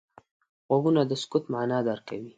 غوږونه د سکوت معنا درک کوي